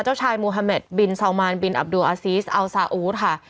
เจ้าชายโมฮาเมดบินซาวมานบินอับดูอาซีสอัลซาอูทค่ะ